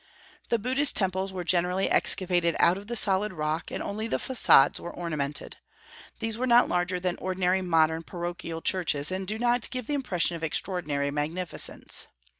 The Buddhist temples were generally excavated out of the solid rock, and only the façades were ornamented. These were not larger than ordinary modern parochial churches, and do not give the impression of extraordinary magnificence.